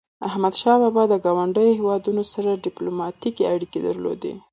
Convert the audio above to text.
احمدشاه بابا د ګاونډیو هیوادونو سره ډیپلوماټيکي اړيکي درلودی.